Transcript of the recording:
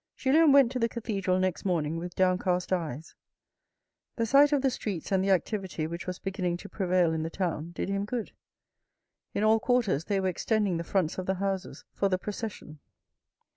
Julien went to the cathedral next morning with downcast eyes. The sight of the streets and the activity which was beginning to prevail in the town did him good. In all quarters they were extending the fronts of the houses for the procession.